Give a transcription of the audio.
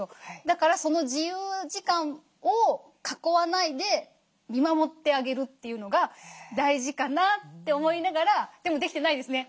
だからその自由時間を囲わないで見守ってあげるというのが大事かなって思いながらでもできてないですね。